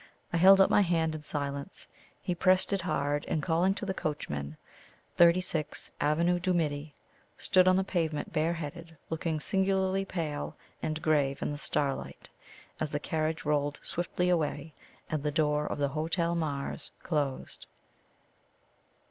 I held out my hand in silence. He pressed it hard, and calling to the coachman, "36, Avenue du Midi," stood on the pavement bareheaded, looking singularly pale and grave in the starlight, as the carriage rolled swiftly away, and the door of the Hotel Mars closed.